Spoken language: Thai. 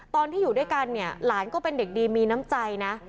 ตอนที่อยู่ด้วยกันเนี่ยหลานก็เป็นเด็กดีมีน้ำใจนะ